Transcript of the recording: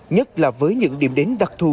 nhất là với những điểm đến đặc thù